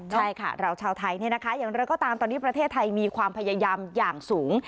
ใช่ค่ะเราชาวไทยเนี่ยนะคะอย่างไรก็ตามตอนนี้ประเทศไทยมีความพยายามอย่างสูง